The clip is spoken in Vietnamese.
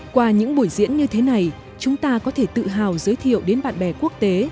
qua những buổi diễn như thế này chúng ta có thể tự hào giới thiệu đến bạn bè quốc tế